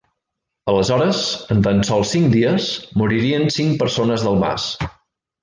Aleshores, en tan sols cinc dies, moriren cinc persones del mas.